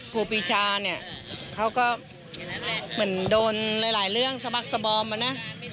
ครูปีชาเนี่ยเขาก็เหมือนโดนหลายเรื่องสบักสบอมอะนะ